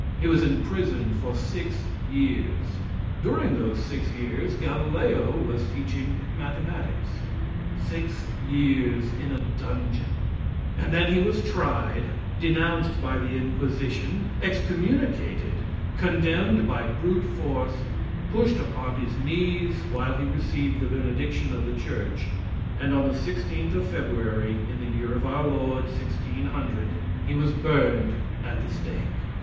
He was in prison for six years. (During those six years Galileo was teaching mathematics.) Six years in a dungeon; and then he was tried, denounced by the Inquisition, excommunicated, condemned by brute force, pushed upon his knees while he received the benediction of the church, and on the 16th of February, in the year of our Lord 1600, he was burned at the stake.